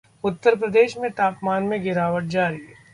उत्तर प्रदेश में तापमान में गिरावट जारी